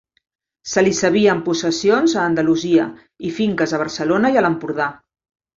Se li sabien possessions a Andalusia i finques a Barcelona i a l'Empordà.